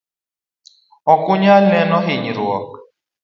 okunyal neno hinyruok.